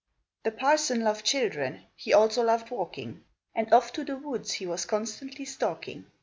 The parson loved children; he also loved walking, And off to the woods he was constantly stalking.